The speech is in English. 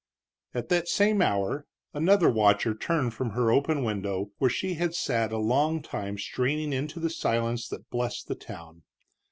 At that same hour another watcher turned from her open window, where she had sat a long time straining into the silence that blessed the town.